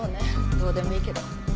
どうでもいいけど。